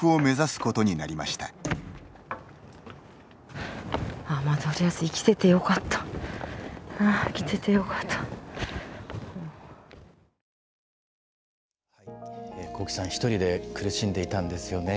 こうきさん１人で苦しんでいたんですよね。